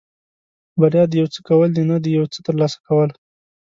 بریا د یو څه کول دي نه د یو څه ترلاسه کول.